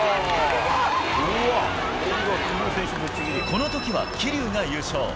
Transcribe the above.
このときは桐生が優勝。